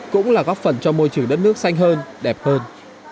cũng là góp phần cho môi trường đất nước xanh hơn đẹp hơn